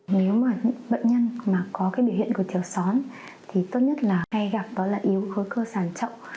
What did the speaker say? nếu mà bệnh nhân mà có cái biểu hiện của thiếu xóm thì tốt nhất là hay gặp đó là yếu khối cơ sản trọng